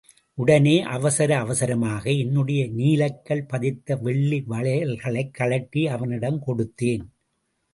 உடனே அவசர அவசரமாக என்னுடைய நீலக்கல் பதித்த வெள்ளி வளையல்களைக் கழட்டி அவனிடம் கொடுத்தேன்.